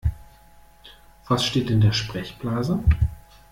Was steht in der Sprechblase?